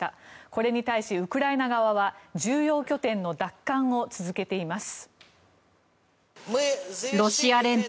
これに対し、ウクライナ側は重要拠点の奪還を続けています。